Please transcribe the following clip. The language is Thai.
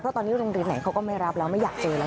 ตอนนี้โรงเรียนไหนเขาก็ไม่รับแล้วไม่อยากเจอแล้ว